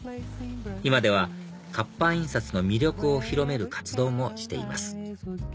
今では活版印刷の魅力を広める活動もしています